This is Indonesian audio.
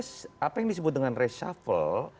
hal yang disebut dengan reshuffle